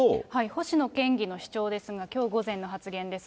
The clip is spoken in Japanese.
星野県議の主張ですが、きょう午前の発言です。